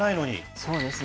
そうですね。